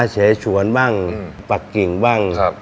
เสฉวนบ้างปักกิ่งบ้าง